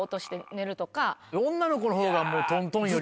女の子の方がトントンより。